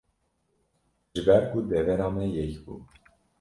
ji ber ku devera me yek bû